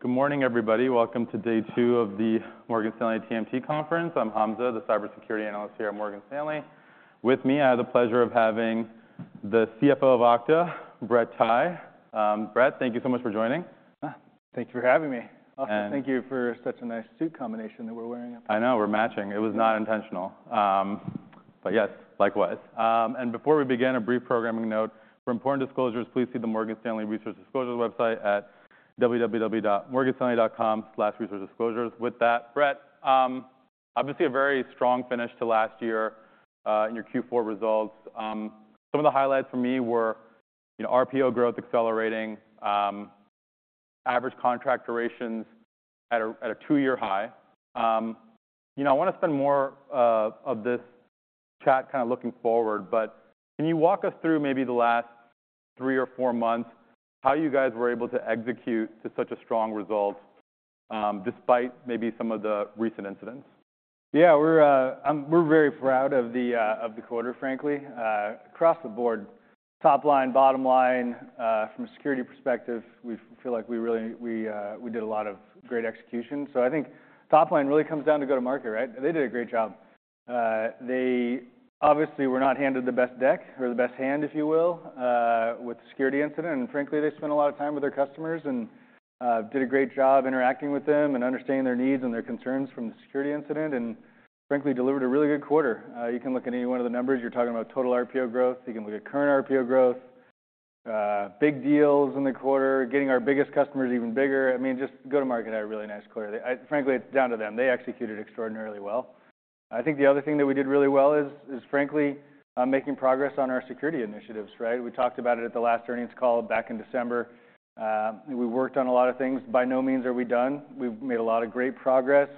Good morning, everybody. Welcome to day two of the Morgan Stanley TMT Conference. I'm Hamza, the cybersecurity analyst here at Morgan Stanley. With me, I have the pleasure of having the CFO of Okta, Brett Tighe. Brett, thank you so much for joining. Ah, thank you for having me. And- Thank you for such a nice suit combination that we're wearing. I know, we're matching. It was not intentional. But yes, likewise. Before we begin, a brief programming note, for important disclosures, please see the Morgan Stanley Research Disclosures website at www.morganstanley.com/researchdisclosures. With that, Brett, obviously, a very strong finish to last year, in your Q4 results. Some of the highlights for me were, you know, RPO growth accelerating, average contract durations at a two-year high. You know, I wanna spend more of this chat kind of looking forward, but can you walk us through maybe the last three or four months, how you guys were able to execute to such a strong result, despite maybe some of the recent incidents? Yeah, we're very proud of the quarter, frankly. Across the board, top line, bottom line, from a security perspective, we feel like we really did a lot of great execution. So I think top line really comes down to go-to-market, right? They did a great job. They obviously were not handed the best deck or the best hand, if you will, with the security incident, and frankly, they spent a lot of time with their customers and did a great job interacting with them and understanding their needs and their concerns from the security incident, and frankly, delivered a really good quarter. You can look at any one of the numbers. You're talking about total RPO growth. You can look at current RPO growth, big deals in the quarter, getting our biggest customers even bigger. I mean, just go-to-market had a really nice quarter. Frankly, it's down to them. They executed extraordinarily well. I think the other thing that we did really well is frankly making progress on our security initiatives, right? We talked about it at the last earnings call back in December. We worked on a lot of things. By no means are we done. We've made a lot of great progress,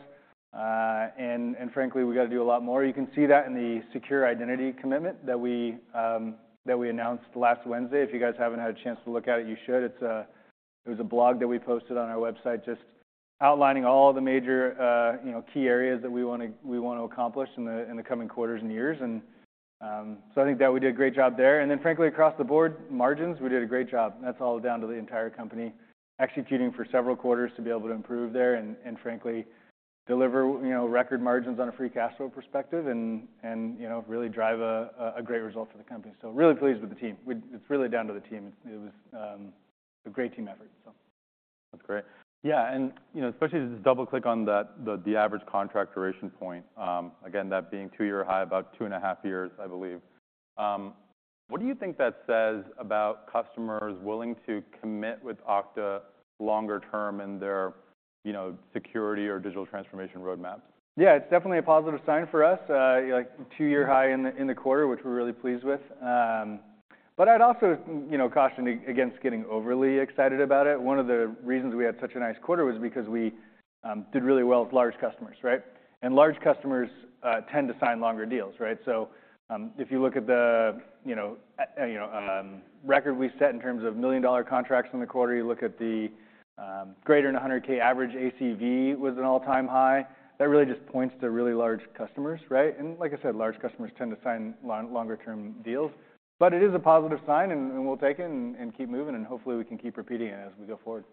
and frankly, we gotta do a lot more. You can see that in the Secure Identity Commitment that we announced last Wednesday. If you guys haven't had a chance to look at it, you should. It's a... It was a blog that we posted on our website, just outlining all the major, you know, key areas that we wanna, we wanna accomplish in the, in the coming quarters and years. And, so I think that we did a great job there. And then frankly, across the board, margins, we did a great job. That's all down to the entire company, executing for several quarters to be able to improve there and frankly, deliver, you know, record margins on a free cash flow perspective and, you know, really drive a great result for the company. So really pleased with the team. It's really down to the team. It was a great team effort, so. That's great. Yeah, and, you know, especially to just double-click on that, the, the average contract duration point, again, that being 2-year high, about 2.5 years, I believe. What do you think that says about customers willing to commit with Okta longer term in their, you know, security or digital transformation roadmaps? Yeah, it's definitely a positive sign for us, like two-year high in the quarter, which we're really pleased with. But I'd also, you know, caution against getting overly excited about it. One of the reasons we had such a nice quarter was because we did really well with large customers, right? And large customers tend to sign longer deals, right? So, if you look at the, you know, record we set in terms of million-dollar contracts in the quarter, you look at the greater than 100K average ACV was an all-time high. That really just points to really large customers, right? And like I said, large customers tend to sign longer term deals. But it is a positive sign, and we'll take it and keep moving, and hopefully we can keep repeating it as we go forward.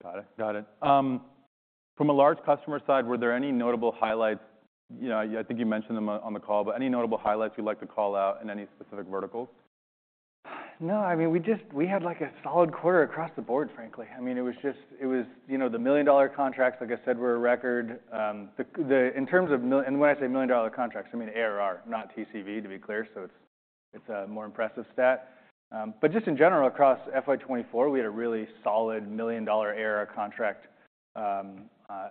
Got it. Got it. From a large customer side, were there any notable highlights? You know, I, I think you mentioned them on the call, but any notable highlights you'd like to call out in any specific verticals? No, I mean, we just had, like, a solid quarter across the board, frankly. I mean, it was just... It was, you know, the million-dollar contracts, like I said, were a record. The, in terms of mil- and when I say million-dollar contracts, I mean ARR, not TCV, to be clear, so it's a more impressive stat. But just in general, across FY 2024, we had a really solid million-dollar ARR contract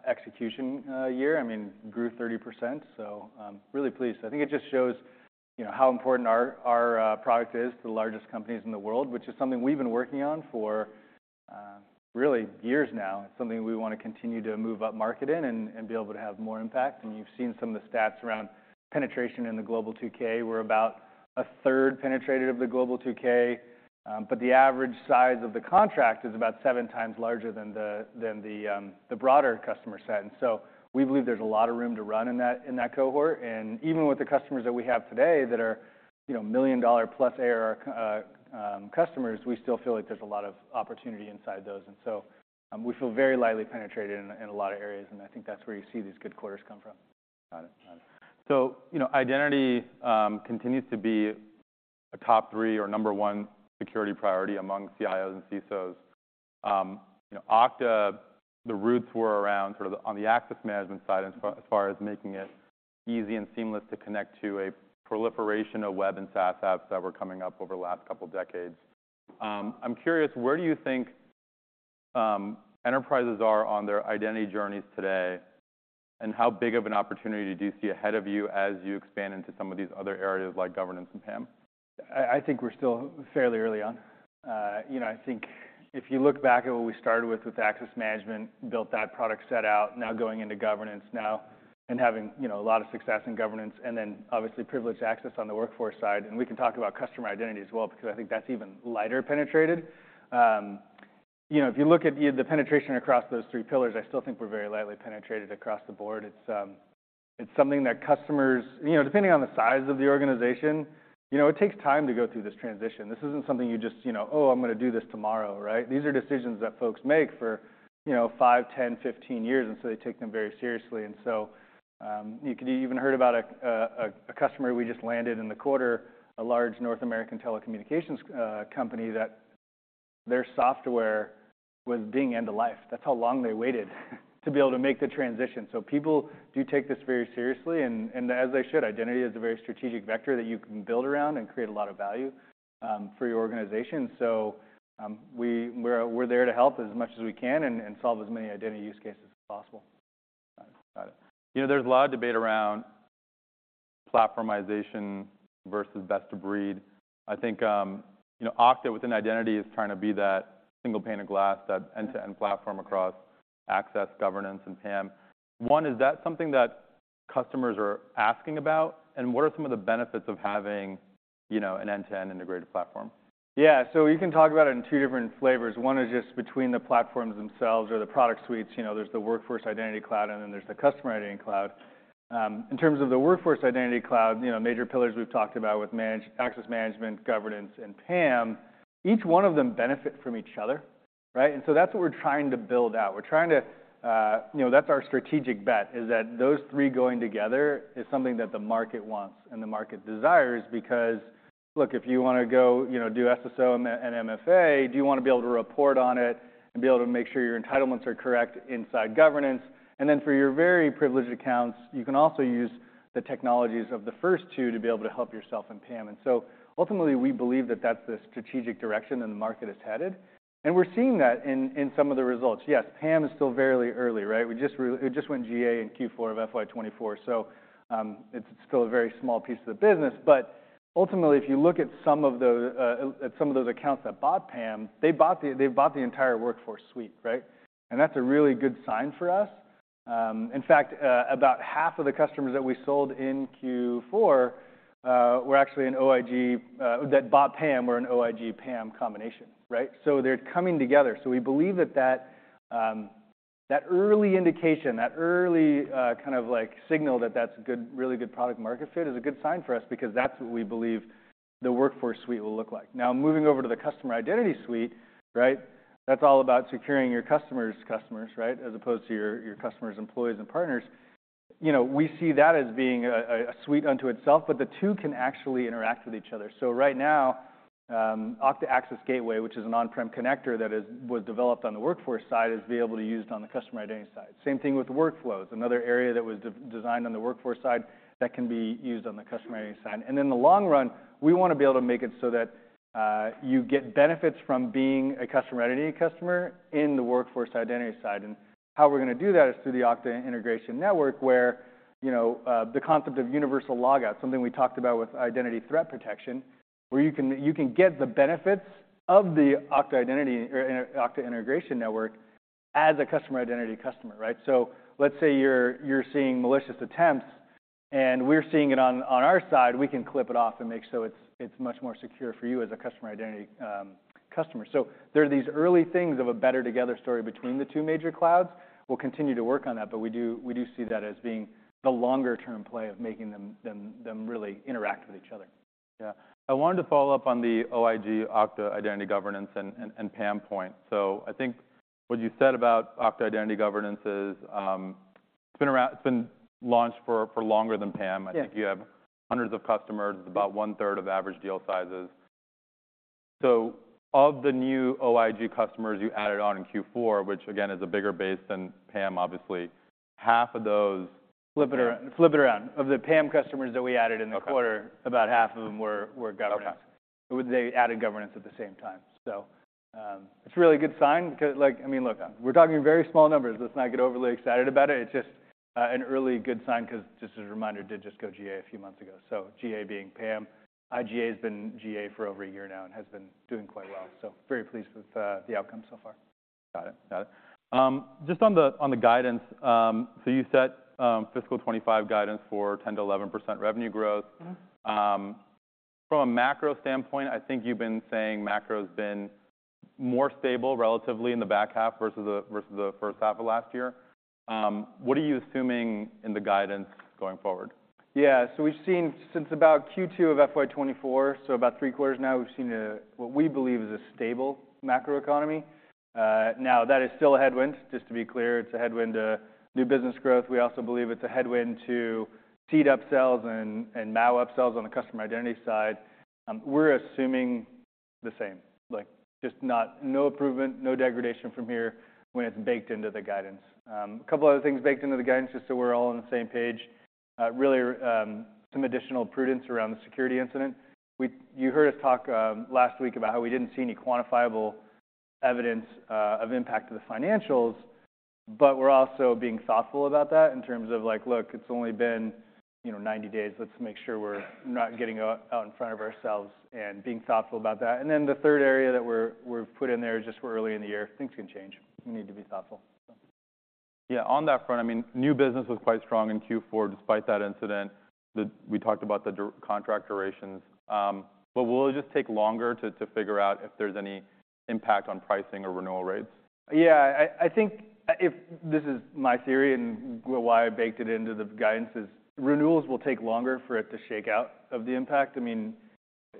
execution year. I mean, grew 30%, so really pleased. I think it just shows, you know, how important our product is to the largest companies in the world, which is something we've been working on for really years now. It's something we wanna continue to move up market in and be able to have more impact. You've seen some of the stats around penetration in the Global 2K. We're about a third penetrated of the Global 2K, but the average size of the contract is about seven times larger than the broader customer set. And so we believe there's a lot of room to run in that cohort. And even with the customers that we have today that are, you know, million-dollar-plus ARR customers, we still feel like there's a lot of opportunity inside those. And so we feel very lightly penetrated in a lot of areas, and I think that's where you see these good quarters come from. Got it. Got it. So, you know, identity continues to be a top three or number one security priority among CIOs and CSOs. You know, Okta, the roots were around sort of the, on the access management side, as far as making it easy and seamless to connect to a proliferation of web and SaaS apps that were coming up over the last couple decades. I'm curious, where do you think enterprises are on their identity journeys today, and how big of an opportunity do you see ahead of you as you expand into some of these other areas like governance and PAM? I, I think we're still fairly early on. You know, I think if you look back at what we started with, with access management, built that product set out, now going into governance now, and having, you know, a lot of success in governance, and then obviously, privileged access on the workforce side. And we can talk about customer identity as well, because I think that's even lighter penetrated. You know, if you look at the, the penetration across those three pillars, I still think we're very lightly penetrated across the board. It's- It's something that customers, you know, depending on the size of the organization, you know, it takes time to go through this transition. This isn't something you just, you know, "Oh, I'm gonna do this tomorrow," right? These are decisions that folks make for, you know, 5, 10, 15 years, and so they take them very seriously. So, you even heard about a customer we just landed in the quarter, a large North American telecommunications company, that their software was being end-of-life. That's how long they waited to be able to make the transition. So people do take this very seriously, and as they should. Identity is a very strategic vector that you can build around and create a lot of value for your organization. So, we're there to help as much as we can and solve as many identity use cases as possible. Got it. You know, there's a lot of debate around platformization versus best of breed. I think, you know, Okta, within identity, is trying to be that single pane of glass, that end-to-end platform across access, governance, and PAM. One, is that something that customers are asking about? And what are some of the benefits of having, you know, an end-to-end integrated platform? Yeah, so you can talk about it in two different flavors. One is just between the platforms themselves or the product suites. You know, there's the Workforce Identity Cloud, and then there's the Customer Identity Cloud. In terms of the Workforce Identity Cloud, you know, major pillars we've talked about with management, access management, governance, and PAM, each one of them benefit from each other, right? And so that's what we're trying to build out. We're trying to. You know, that's our strategic bet, is that those three going together is something that the market wants and the market desires. Because, look, if you wanna go, you know, do SSO and then MFA, do you wanna be able to report on it and be able to make sure your entitlements are correct inside governance? And then, for your very privileged accounts, you can also use the technologies of the first two to be able to help yourself in PAM. And so, ultimately, we believe that that's the strategic direction that the market is headed, and we're seeing that in some of the results. Yes, PAM is still very early, right? It just went GA in Q4 of FY 2024, so it's still a very small piece of the business. But ultimately, if you look at some of those accounts that bought PAM, they bought the entire Workforce suite, right? And that's a really good sign for us. In fact, about half of the customers that we sold in Q4 that bought PAM were actually an OIG PAM combination, right? So they're coming together. So we believe that that, that early indication, that early, kind of like signal that that's good, really good product market fit is a good sign for us because that's what we believe the Workforce suite will look like. Now, moving over to the Customer Identity suite, right? That's all about securing your customer's customers, right, as opposed to your, your customers' employees and partners. You know, we see that as being a suite unto itself, but the two can actually interact with each other. So right now, Okta Access Gateway, which is an on-prem connector that was developed on the Workforce side, is be able to be used on the Customer Identity side. Same thing with Workflows, another area that was designed on the Workforce side that can be used on the Customer Identity side. In the long run, we wanna be able to make it so that you get benefits from being a Customer Identity customer in the Workforce Identity side. And how we're gonna do that is through the Okta Integration Network, where, you know, the concept of Universal Logout, something we talked about with Identity Threat Protection, where you can get the benefits of the Okta Identity or the Okta Integration Network as a Customer Identity customer, right? So let's say you're seeing malicious attempts, and we're seeing it on our side, we can clip it off and make so it's much more secure for you as a Customer Identity customer. So there are these early things of a better together story between the two major clouds. We'll continue to work on that, but we do see that as being the longer-term play of making them really interact with each other. Yeah. I wanted to follow up on the OIG, Okta Identity Governance, and PAM point. So I think what you said about Okta Identity Governance is, it's been around—it's been launched for longer than PAM. Yeah. I think you have hundreds of customers. It's about one-third of average deal sizes. So of the new OIG customers you added on in Q4, which again, is a bigger base than PAM, obviously, half of those- Flip it around, flip it around. Of the PAM customers that we added in the quarter- Okay... about half of them were governance. Okay. They added governance at the same time. So, it's a really good sign because, like, I mean, look, we're talking very small numbers. Let's not get overly excited about it. It's just an early good sign, 'cause just as a reminder, it did just go GA a few months ago, so GA being PAM. IGA has been GA for over a year now and has been doing quite well. So very pleased with the outcome so far. Got it. Got it. Just on the guidance, so you set fiscal 2025 guidance for 10%-11% revenue growth. From a macro standpoint, I think you've been saying macro has been more stable relatively in the back half versus the first half of last year. What are you assuming in the guidance going forward? Yeah. So we've seen since about Q2 of FY 2024, so about three quarters now, we've seen a what we believe is a stable macroeconomy. Now, that is still a headwind. Just to be clear, it's a headwind to new business growth. We also believe it's a headwind to seat upsells and, and MAU upsells on the customer identity side. We're assuming the same, like, just not, no improvement, no degradation from here, when it's baked into the guidance. A couple other things baked into the guidance, just so we're all on the same page, really, some additional prudence around the security incident. We. You heard us talk last week about how we didn't see any quantifiable evidence of impact to the financials, but we're also being thoughtful about that in terms of like, look, it's only been, you know, 90 days. Let's make sure we're not getting out in front of ourselves and being thoughtful about that. And then the third area that we've put in there is just we're early in the year. Things can change. We need to be thoughtful, so... Yeah. On that front, I mean, new business was quite strong in Q4, despite that incident that we talked about the contract durations. But will it just take longer to figure out if there's any impact on pricing or renewal rates? Yeah, I think if this is my theory and why I baked it into the guidance, is renewals will take longer for it to shake out of the impact. I mean,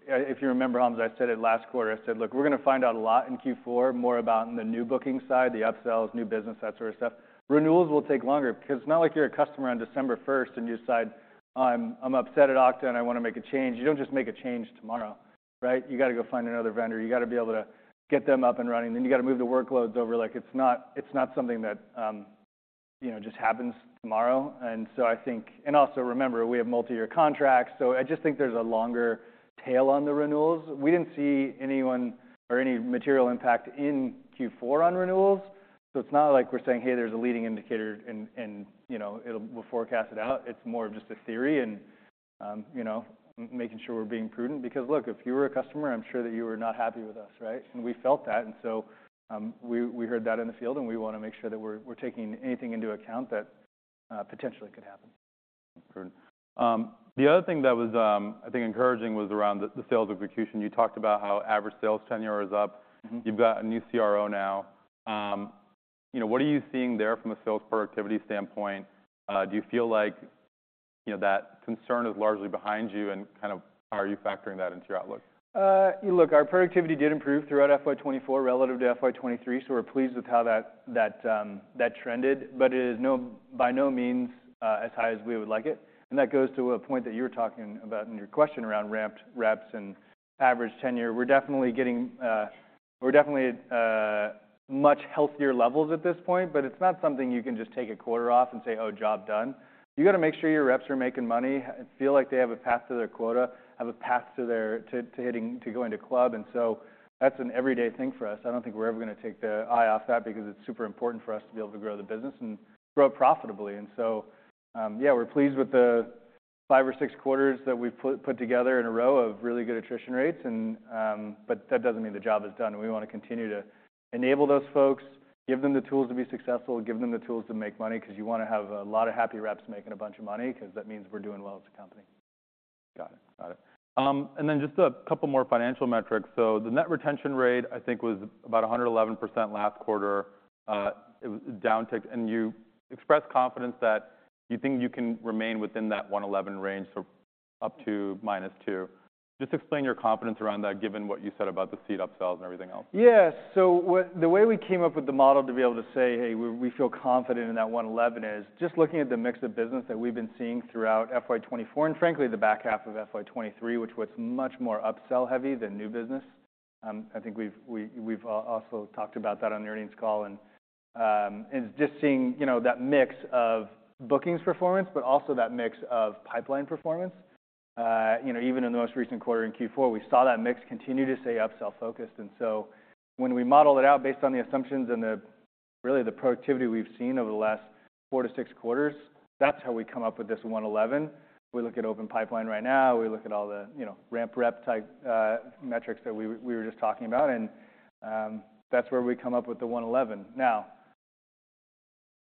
if you remember, Hamza, I said it last quarter. I said: "Look, we're gonna find out a lot in Q4, more about in the new booking side, the upsells, new business, that sort of stuff." Renewals will take longer, because it's not like you're a customer on December first and you decide, "I'm upset at Okta, and I wanna make a change." You don't just make a change tomorrow, right? You gotta go find another vendor. You gotta be able to get them up and running, then you gotta move the workloads over. Like, it's not, it's not something that, you know, just happens tomorrow. And so I think. And also, remember, we have multi-year contracts, so I just think there's a longer tail on the renewals. We didn't see anyone or any material impact in Q4 on renewals, so it's not like we're saying, "Hey, there's a leading indicator," and you know, we'll forecast it out. It's more of just a theory and, you know, making sure we're being prudent. Because, look, if you were a customer, I'm sure that you were not happy with us, right? And we felt that. And so, we heard that in the field, and we wanna make sure that we're taking anything into account that potentially could happen. The other thing that was, I think encouraging, was around the sales execution. You talked about how average sales tenure is up. You've got a new CRO now. You know, what are you seeing there from a sales productivity standpoint? Do you feel like, you know, that concern is largely behind you, and kind of how are you factoring that into your outlook? Look, our productivity did improve throughout FY 2024 relative to FY 2023, so we're pleased with how that trended, but it is by no means as high as we would like it. And that goes to a point that you were talking about in your question around ramped reps and average tenure. We're definitely getting. We're definitely at much healthier levels at this point, but it's not something you can just take a quarter off and say, "Oh, job done." You gotta make sure your reps are making money, and feel like they have a path to their quota, have a path to their, to hitting - to go into club. And so that's an everyday thing for us. I don't think we're ever gonna take the eye off that, because it's super important for us to be able to grow the business and grow profitably. And so, yeah, we're pleased with the 5 or 6 quarters that we've put together in a row of really good attrition rates and... But that doesn't mean the job is done, and we wanna continue to enable those folks, give them the tools to be successful, give them the tools to make money, 'cause you wanna have a lot of happy reps making a bunch of money, 'cause that means we're doing well as a company. Got it. Got it. And then just a couple more financial metrics. So the net retention rate, I think, was about 111% last quarter. It was a downtick, and you expressed confidence that you think you can remain within that 111 range, so up to -2. Just explain your confidence around that, given what you said about the seat upsells and everything else. Yeah. So the way we came up with the model to be able to say, "Hey, we feel confident in that 111," is just looking at the mix of business that we've been seeing throughout FY 2024, and frankly, the back half of FY 2023, which was much more upsell heavy than new business. I think we've also talked about that on the earnings call. And just seeing, you know, that mix of bookings performance, but also that mix of pipeline performance. You know, even in the most recent quarter, in Q4, we saw that mix continue to stay upsell focused. And so when we model it out based on the assumptions and the, really, the productivity we've seen over the last 4-6 quarters, that's how we come up with this 111. We look at open pipeline right now, we look at all the, you know, ramp rep type, metrics that we, we were just talking about, and that's where we come up with the 111. Now,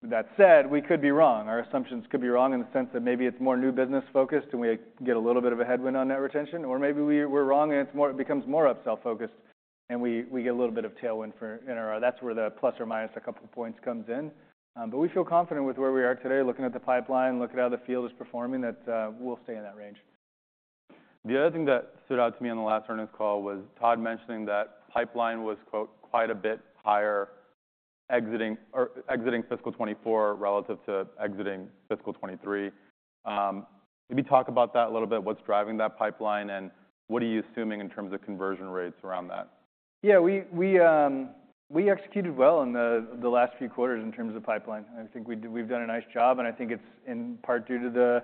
that said, we could be wrong. Our assumptions could be wrong in the sense that maybe it's more new business focused, and we get a little bit of a headwind on net retention, or maybe we're wrong, and it's more, it becomes more upsell focused, and we, we get a little bit of a tailwind for NRR. That's where the ± a couple points comes in. But we feel confident with where we are today, looking at the pipeline, looking at how the field is performing, that we'll stay in that range. The other thing that stood out to me on the last earnings call was Todd mentioning that pipeline was, quote, "Quite a bit higher," exiting fiscal 2024 relative to exiting fiscal 2023. Maybe talk about that a little bit. What's driving that pipeline, and what are you assuming in terms of conversion rates around that? Yeah, we executed well in the last few quarters in terms of pipeline. I think we've done a nice job, and I think it's in part due to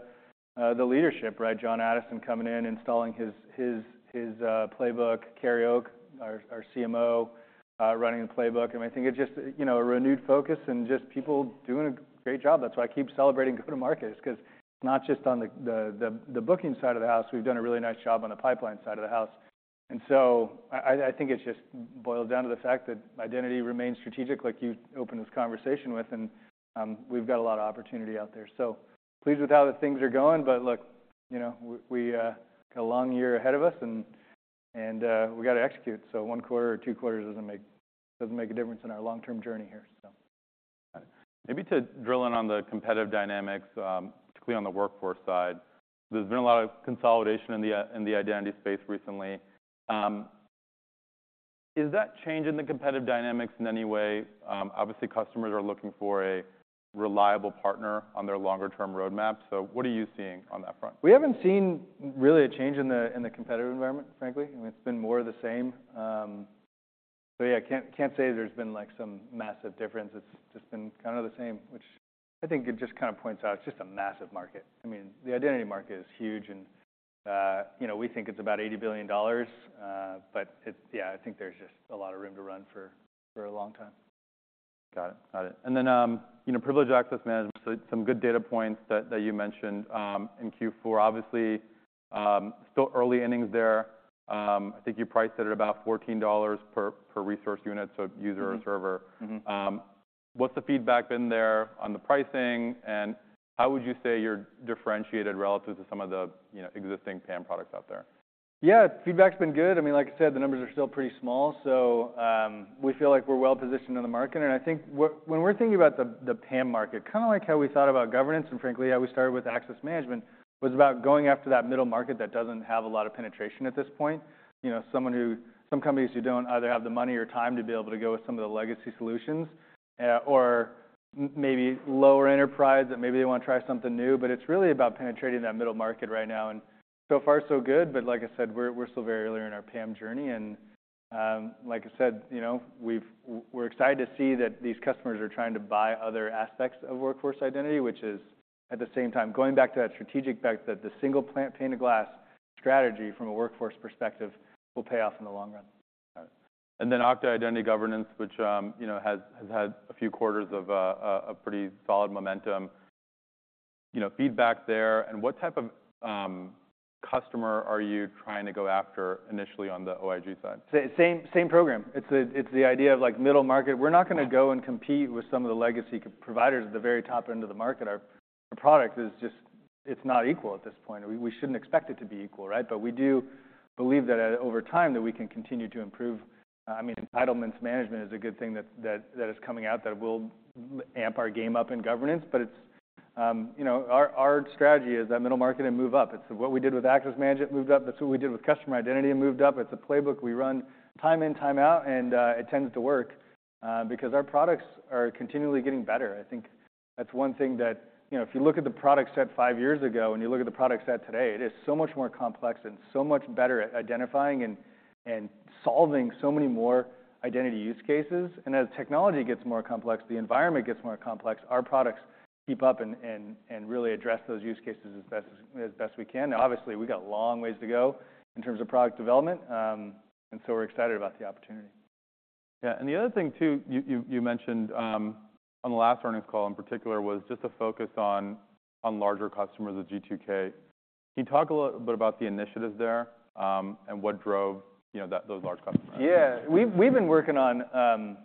the leadership, right? Jon Addison coming in, installing his playbook. Kerry Ok, our CMO, running the playbook. And I think it's just, you know, a renewed focus and just people doing a great job. That's why I keep celebrating go-to-market, 'cause not just on the booking side of the house, we've done a really nice job on the pipeline side of the house. And so I think it just boils down to the fact that identity remains strategic, like you opened this conversation with, and we've got a lot of opportunity out there. So pleased with how the things are going. But look, you know, we got a long year ahead of us, and we gotta execute, so one quarter or two quarters doesn't make a difference in our long-term journey here, so. Got it. Maybe to drill in on the competitive dynamics, particularly on the workforce side. There's been a lot of consolidation in the identity space recently. Is that changing the competitive dynamics in any way? Obviously, customers are looking for a reliable partner on their longer-term roadmap, so what are you seeing on that front? We haven't seen really a change in the competitive environment, frankly. I mean, it's been more of the same. So yeah, I can't say there's been, like, some massive difference. It's just been kind of the same, which I think it just kind of points out it's just a massive market. I mean, the identity market is huge and, you know, we think it's about $80 billion. But it... Yeah, I think there's just a lot of room to run for a long time. Got it, got it. And then, you know, Privileged Access Management, so some good data points that you mentioned in Q4. Obviously, still early innings there. I think you priced it at about $14 per resource unit, so user or server.... What's the feedback been there on the pricing, and how would you say you're differentiated relative to some of the, you know, existing PAM products out there? Yeah, feedback's been good. I mean, like I said, the numbers are still pretty small, so, we feel like we're well-positioned in the market. And I think when we're thinking about the PAM market, kinda like how we thought about governance and frankly, how we started with access management, was about going after that middle market that doesn't have a lot of penetration at this point. You know, some companies who don't either have the money or time to be able to go with some of the legacy solutions, or maybe lower enterprise, that maybe they wanna try something new. But it's really about penetrating that middle market right now, and so far, so good. But like I said, we're still very early in our PAM journey and, like I said, you know, we're excited to see that these customers are trying to buy other aspects of Workforce Identity, which is, at the same time, going back to that strategic bet, that the single pane of glass strategy from a workforce perspective will pay off in the long run. Got it. And then Okta Identity Governance, which, you know, has had a few quarters of a pretty solid momentum. You know, feedback there, and what type of customer are you trying to go after initially on the OIG side? Same, same program. It's the idea of, like, middle market. We're not gonna go and compete with some of the legacy providers at the very top end of the market. Our product is just... It's not equal at this point, and we shouldn't expect it to be equal, right? But we do believe that over time that we can continue to improve. I mean, entitlements management is a good thing that is coming out, that will amp our game up in governance. But it's you know, our strategy is that middle market and move up. It's what we did with access management, moved up. That's what we did with customer identity and moved up. It's a playbook we run time in, time out, and it tends to work because our products are continually getting better. I think that's one thing that you know, if you look at the product set five years ago, and you look at the product set today, it is so much more complex and so much better at identifying and solving so many more identity use cases. As technology gets more complex, the environment gets more complex, our products keep up and really address those use cases as best we can. Now, obviously, we've got a long ways to go in terms of product development, and so we're excited about the opportunity. Yeah, and the other thing, too, you mentioned on the last earnings call, in particular, was just the focus on larger customers of G2K. Can you talk a little bit about the initiatives there, and what drove, you know, those large customers? Yeah. We've been working on,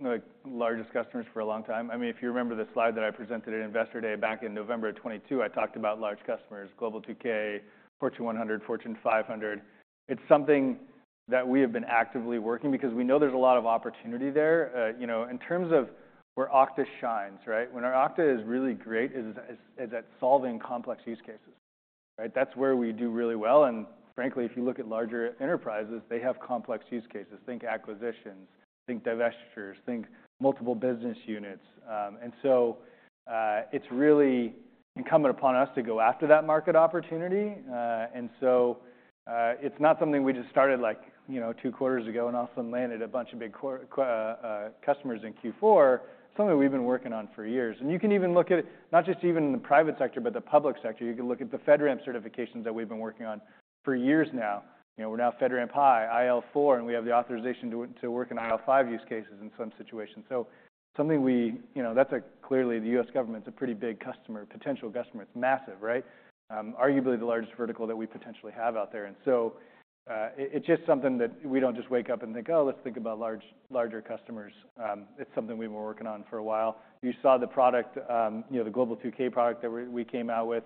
like, largest customers for a long time. I mean, if you remember the slide that I presented at Investor Day back in November of 2022, I talked about large customers, Global 2K, Fortune 100, Fortune 500. It's something that we have been actively working because we know there's a lot of opportunity there. You know, in terms of where Okta shines, right? When our Okta is really great, is at solving complex use cases, right? That's where we do really well, and frankly, if you look at larger enterprises, they have complex use cases. Think acquisitions, think divestitures, think multiple business units. And so, it's really incumbent upon us to go after that market opportunity. And so, it's not something we just started like, you know, two quarters ago, and all of a sudden landed a bunch of big customers in Q4. It's something we've been working on for years. And you can even look at it, not just even in the private sector, but the public sector. You can look at the FedRAMP certifications that we've been working on for years now. You know, we're now FedRAMP High, IL4, and we have the authorization to work in IL5 use cases in some situations. You know, that's clearly the U.S. government's a pretty big customer, potential customer. It's massive, right? Arguably the largest vertical that we potentially have out there. And so, it's just something that we don't just wake up and think, "Oh, let's think about large- larger customers." It's something we've been working on for a while. You saw the product, you know, the Global 2K product that we came out with.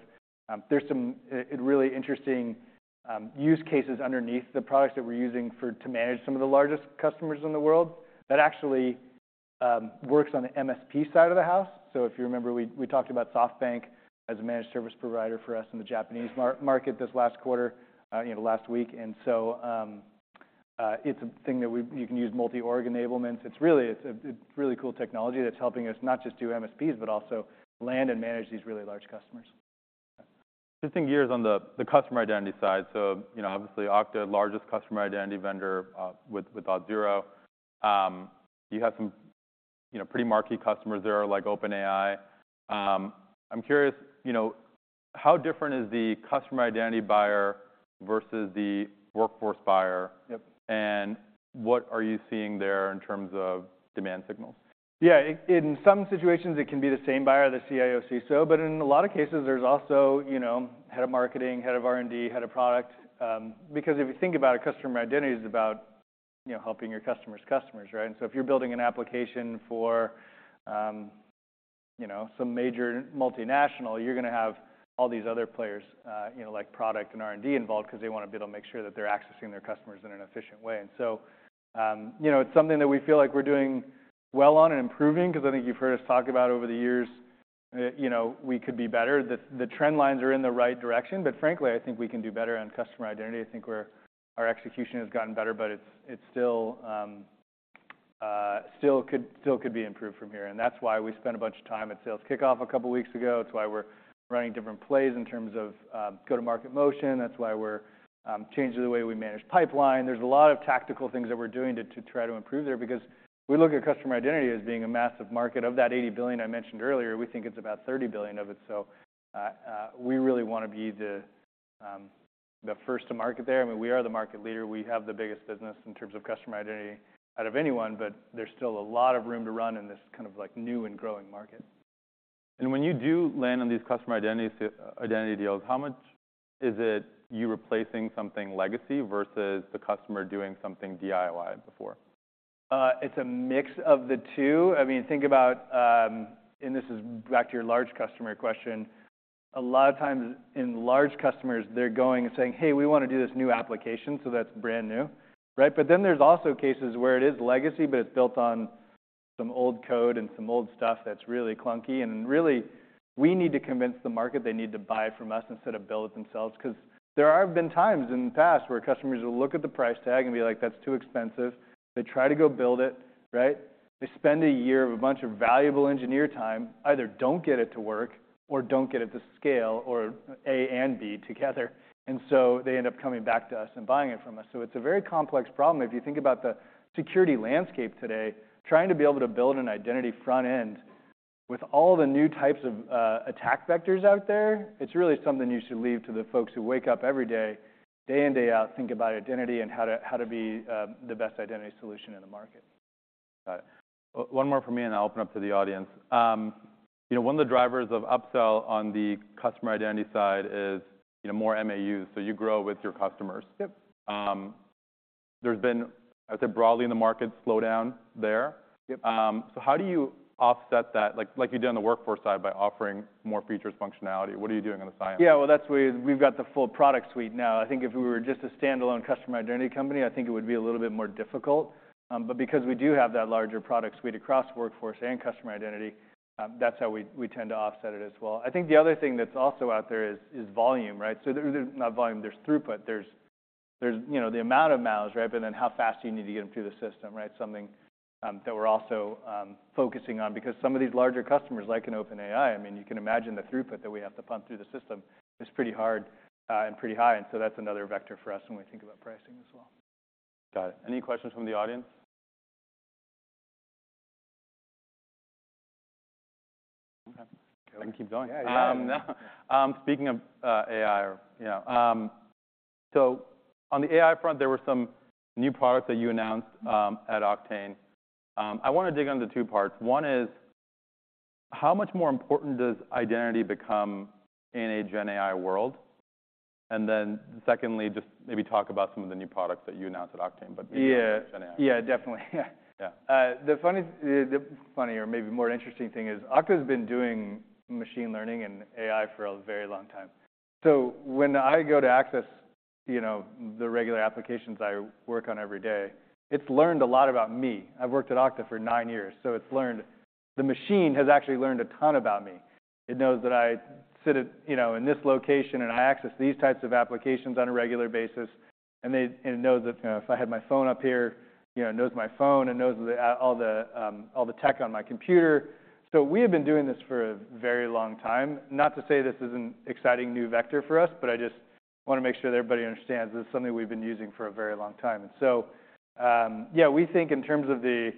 There's some really interesting use cases underneath the products that we're using for- to manage some of the largest customers in the world, that actually works on the MSP side of the house. So if you remember, we talked about SoftBank as a managed service provider for us in the Japanese market this last quarter, you know, last week. And so, it's a thing that you can use multi-org enablements. It's really a really cool technology that's helping us not just do MSPs, but also land and manage these really large customers. Shifting gears on the customer identity side. So, you know, obviously, Okta, largest customer identity vendor with Auth0. You have some, you know, pretty marquee customers there, like OpenAI. I'm curious, you know, how different is the customer identity buyer versus the workforce buyer? What are you seeing there in terms of demand signals? Yeah, in some situations, it can be the same buyer, the CIO, CISO, but in a lot of cases, there's also, you know, head of marketing, head of R&D, head of product. Because if you think about it, customer identity is about, you know, helping your customers' customers, right? And so if you're building an application for, you know, some major multinational, you're gonna have all these other players, you know, like product and R&D involved, 'cause they wanna be able to make sure that they're accessing their customers in an efficient way. And so, you know, it's something that we feel like we're doing well on and improving, 'cause I think you've heard us talk about over the years, you know, we could be better. The trend lines are in the right direction, but frankly, I think we can do better on customer identity. I think our execution has gotten better, but it still could be improved from here. That's why we spent a bunch of time at Sales Kickoff a couple weeks ago. It's why we're running different plays in terms of go-to-market motion. That's why we're changing the way we manage pipeline. There's a lot of tactical things that we're doing to try to improve there, because we look at customer identity as being a massive market. Of that $80 billion I mentioned earlier, we think it's about $30 billion of it, so we really wanna be the first to market there. I mean, we are the market leader. We have the biggest business in terms of customer identity out of anyone, but there's still a lot of room to run in this kind of like, new and growing market.... And when you do land on these customer identities, identity deals, how much is it you replacing something legacy versus the customer doing something DIY before? It's a mix of the two. I mean, think about, and this is back to your large customer question. A lot of times in large customers, they're going and saying: "Hey, we wanna do this new application," so that's brand new, right? But then there's also cases where it is legacy, but it's built on some old code and some old stuff that's really clunky, and really, we need to convince the market they need to buy from us instead of build it themselves. 'Cause there have been times in the past where customers will look at the price tag and be like, "That's too expensive." They try to go build it, right? They spend a year of a bunch of valuable engineer time, either don't get it to work or don't get it to scale, or A and B together, and so they end up coming back to us and buying it from us. So it's a very complex problem. If you think about the security landscape today, trying to be able to build an identity front end with all the new types of attack vectors out there, it's really something you should leave to the folks who wake up every day, day in, day out, think about identity and how to, how to be, the best identity solution in the market. Got it. One more from me, and I'll open up to the audience. You know, one of the drivers of upsell on the customer identity side is, you know, more MAUs, so you grow with your customers. There's been, I'd say, broadly in the market, slowdown there. So, how do you offset that? Like, you did on the workforce side, by offering more features, functionality. What are you doing on the science? Yeah, well, that's, we've got the full product suite now. I think if we were just a standalone customer identity company, I think it would be a little bit more difficult. But because we do have that larger product suite across workforce and customer identity, that's how we tend to offset it as well. I think the other thing that's also out there is volume, right? So there's throughput, you know, the amount of miles, right? But then how fast do you need to get them through the system, right? Something that we're also focusing on, because some of these larger customers, like an OpenAI, I mean, you can imagine the throughput that we have to pump through the system is pretty hard and pretty high, and so that's another vector for us when we think about pricing as well. Got it. Any questions from the audience? Okay, I can keep going. Yeah, you got it. Speaking of AI, you know, so on the AI front, there were some new products that you announced at Oktane. I wanna dig onto two parts. One is, how much more important does identity become in a Gen AI world? And then secondly, just maybe talk about some of the new products that you announced at Oktane, but-... Gen AI. Yeah, definitely. The funny or maybe more interesting thing is Okta's been doing machine learning and AI for a very long time. So when I go to access, you know, the regular applications I work on every day, it's learned a lot about me. I've worked at Okta for nine years, so it's learned... The machine has actually learned a ton about me. It knows that I sit at, you know, in this location, and I access these types of applications on a regular basis. And it knows that, you know, if I had my phone up here, you know, it knows my phone, it knows all the tech on my computer. So we have been doing this for a very long time. Not to say this is an exciting new vector for us, but I just wanna make sure that everybody understands this is something we've been using for a very long time. And so, yeah, we think in terms of the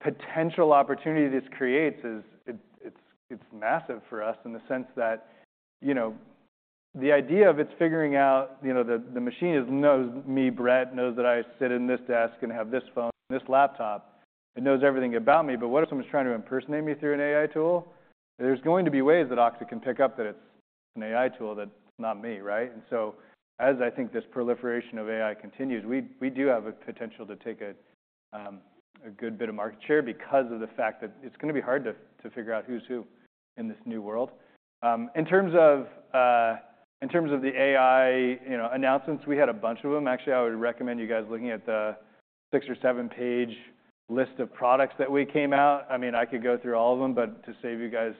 potential opportunity this creates is massive for us in the sense that, you know, the idea of it's figuring out, you know, the machine knows me, Brett, knows that I sit in this desk and have this phone and this laptop. It knows everything about me, but what if someone's trying to impersonate me through an AI tool? There's going to be ways that Okta can pick up that it's an AI tool, that's not me, right? And so, as I think this proliferation of AI continues, we do have a potential to take a good bit of market share because of the fact that it's gonna be hard to figure out who's who in this new world. In terms of the AI, you know, announcements, we had a bunch of them. Actually, I would recommend you guys looking at the 6- or 7-page list of products that we came out. I mean, I could go through all of them, but to save you guys,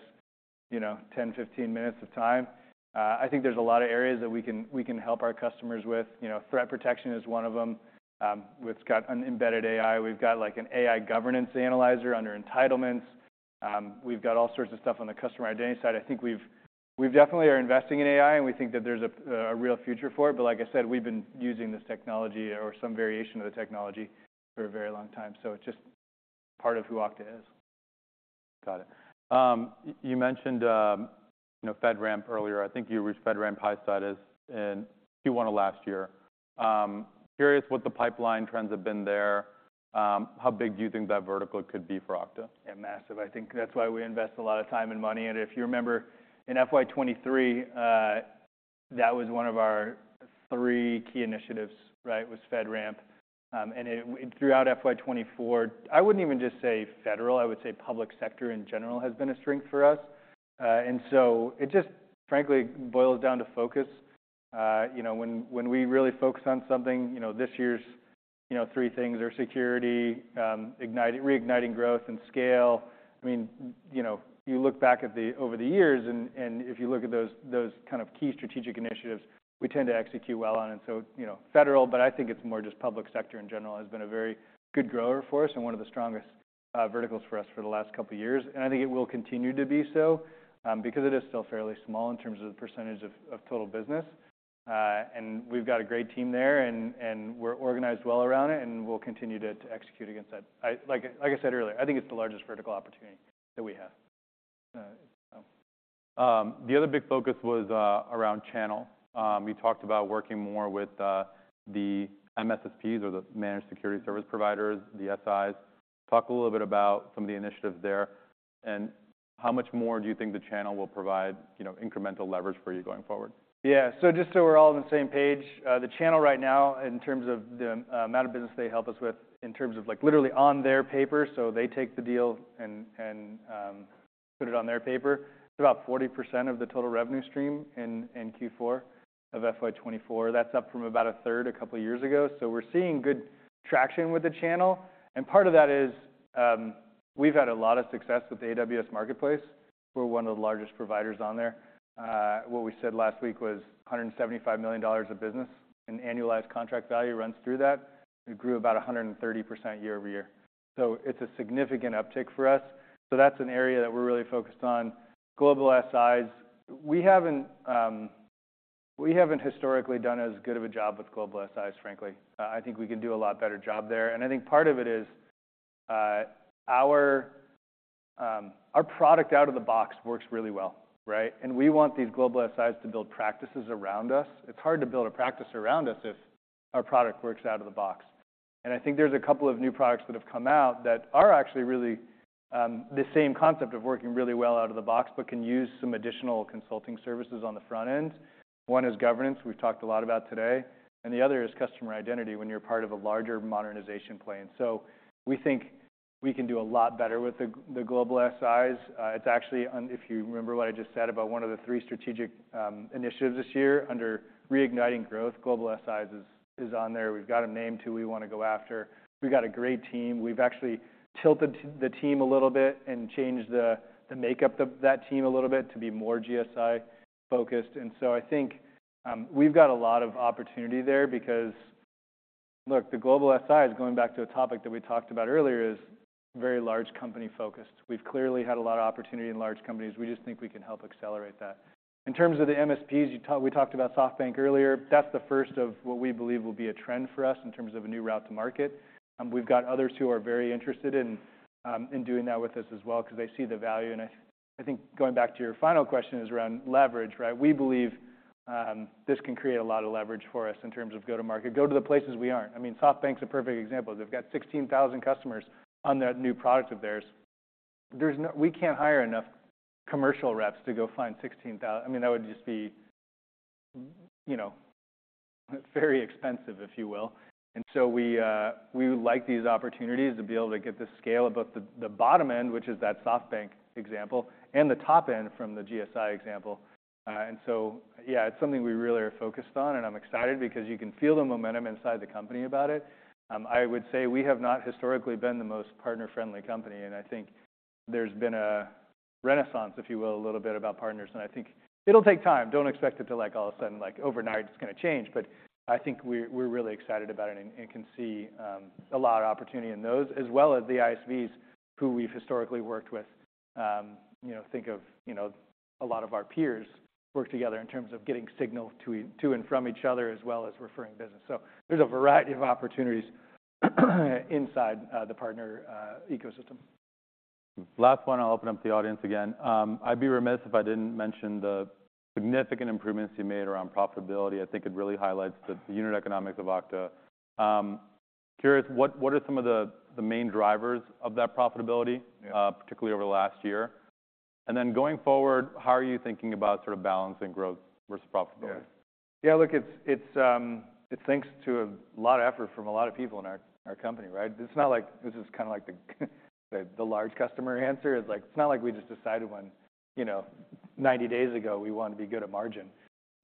you know, 10, 15 minutes of time, I think there's a lot of areas that we can help our customers with. You know, threat protection is one of them, which's got an embedded AI. We've got, like, an AI Governance Analyzer under entitlements. We've got all sorts of stuff on the customer identity side. I think we definitely are investing in AI, and we think that there's a real future for it. But like I said, we've been using this technology or some variation of the technology for a very long time, so it's just part of who Okta is. Got it. You mentioned, you know, FedRAMP earlier. I think you reached FedRAMP High status in Q1 of last year. Curious what the pipeline trends have been there. How big do you think that vertical could be for Okta? Yeah, massive. I think that's why we invest a lot of time and money in it. If you remember, in FY 2023, that was one of our three key initiatives, right? Was FedRAMP. And it throughout FY 2024, I wouldn't even just say federal, I would say public sector in general has been a strength for us. And so it just frankly boils down to focus. You know, when we really focus on something, you know, this year's, you know, three things are security, reigniting growth and scale. I mean, you know, you look back over the years and if you look at those kind of key strategic initiatives, we tend to execute well on it. So, you know, federal, but I think it's more just public sector in general, has been a very good grower for us and one of the strongest verticals for us for the last couple of years. And I think it will continue to be so, because it is still fairly small in terms of the percentage of total business. And we've got a great team there and we're organized well around it, and we'll continue to execute against that. Like I said earlier, I think it's the largest vertical opportunity that we have. The other big focus was around channel. We talked about working more with the MSSPs or the managed security service providers, the SIs. Talk a little bit about some of the initiatives there, and how much more do you think the channel will provide, you know, incremental leverage for you going forward? Yeah. So just so we're all on the same page, the channel right now, in terms of the amount of business they help us with, in terms of, like, literally on their paper, so they take the deal and put it on their paper, it's about 40% of the total revenue stream in Q4 of FY 2024. That's up from about a third a couple years ago. So we're seeing good traction with the channel, and part of that is, we've had a lot of success with the AWS Marketplace. We're one of the largest providers on there. What we said last week was $175 million of business in annualized contract value runs through that. It grew about 130% year-over-year. So it's a significant uptick for us. So that's an area that we're really focused on. Global SIs, we haven't historically done as good of a job with global SIs, frankly. I think we can do a lot better job there, and I think part of it is our product out of the box works really well, right? And we want these global SIs to build practices around us. It's hard to build a practice around us if our product works out of the box. And I think there's a couple of new products that have come out that are actually really the same concept of working really well out of the box, but can use some additional consulting services on the front end. One is governance, we've talked a lot about today, and the other is customer identity, when you're part of a larger modernization plan. So we think we can do a lot better with the global SIs. It's actually on... If you remember what I just said about one of the three strategic initiatives this year, under reigniting growth, global SIs is on there. We've got a named two we wanna go after. We've got a great team. We've actually tilted the team a little bit and changed the makeup of that team a little bit to be more GSI focused. And so I think we've got a lot of opportunity there because, look, the global SIs, going back to a topic that we talked about earlier, is very large company focused. We've clearly had a lot of opportunity in large companies. We just think we can help accelerate that. In terms of the MSPs, you talked- we talked about SoftBank earlier, that's the first of what we believe will be a trend for us in terms of a new route to market. We've got others who are very interested in doing that with us as well, because they see the value. I think, going back to your final question, is around leverage, right? We believe this can create a lot of leverage for us in terms of go-to-market. Go to the places we aren't. I mean, SoftBank's a perfect example. They've got 16,000 customers on that new product of theirs. There's no- we can't hire enough commercial reps to go find 16,000... I mean, that would just be, you know, very expensive, if you will. And so we like these opportunities to be able to get the scale of both the bottom end, which is that SoftBank example, and the top end, from the GSI example. And so, yeah, it's something we really are focused on, and I'm excited because you can feel the momentum inside the company about it. I would say we have not historically been the most partner-friendly company, and I think there's been a renaissance, if you will, a little bit, about partners. And I think it'll take time. Don't expect it to, like, all of a sudden, like, overnight, it's gonna change. But I think we're really excited about it and can see a lot of opportunity in those, as well as the ISVs who we've historically worked with. You know, think of, you know, a lot of our peers work together in terms of getting signal to and from each other, as well as referring business. So there's a variety of opportunities inside the partner ecosystem. Last one, I'll open up the audience again. I'd be remiss if I didn't mention the significant improvements you made around profitability. I think it really highlights the unit economics of Okta. Curious, what, what are some of the, the main drivers of that profitability-... particularly over the last year? And then going forward, how are you thinking about sort of balancing growth versus profitability? Yeah. Yeah, look, it's, it's, it thanks to a lot of effort from a lot of people in our, our company, right? It's not like this is kinda like the, the large customer answer. It's like, it's not like we just decided when, you know, 90 days ago, we wanted to be good at margin.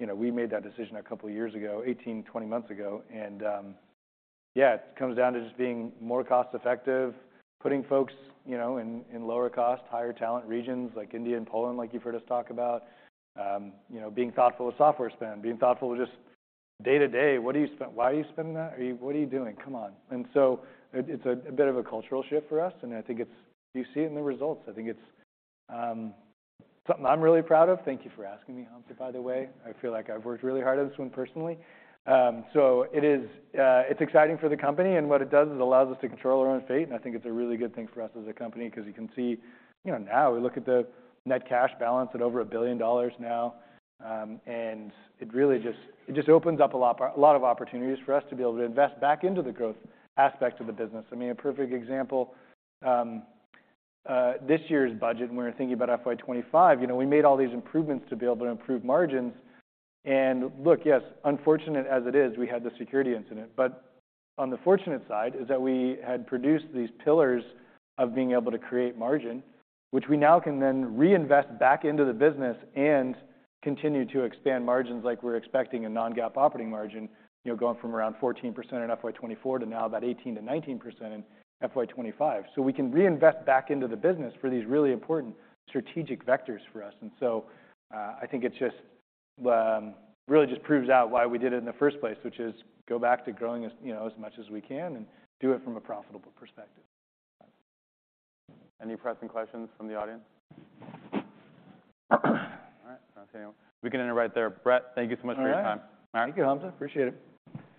You know, we made that decision a couple of years ago, 18, 20 months ago. And, yeah, it comes down to just being more cost effective, putting folks, you know, in, in lower cost, higher talent regions like India and Poland, like you've heard us talk about. You know, being thoughtful with software spend, being thoughtful with just day-to-day, what do you spend? Why are you spending that? Are you—what are you doing? Come on. It's a bit of a cultural shift for us, and I think it's—you're seeing the results. I think it's something I'm really proud of. Thank you for asking me, Hamza, by the way. I feel like I've worked really hard on this one personally. So it is—it's exciting for the company, and what it does is allows us to control our own fate, and I think it's a really good thing for us as a company because you can see, you know, now we look at the net cash balance at over $1 billion now. And it really just—it just opens up a lot, a lot of opportunities for us to be able to invest back into the growth aspect of the business. I mean, a perfect example, this year's budget, when we were thinking about FY 2025, you know, we made all these improvements to be able to improve margins. And look, yes, unfortunate as it is, we had the security incident, but on the fortunate side is that we had produced these pillars of being able to create margin, which we now can then reinvest back into the business and continue to expand margins like we're expecting a non-GAAP operating margin, you know, going from around 14% in FY 2024 to now about 18%-19% in FY 2025. So we can reinvest back into the business for these really important strategic vectors for us. And so, I think it just really just proves out why we did it in the first place, which is go back to growing as, you know, as much as we can, and do it from a profitable perspective. Any pressing questions from the audience? All right, I don't see any. We can end it right there. Brett, thank you so much for your time. All right. Thank you, Hamza. Appreciate it.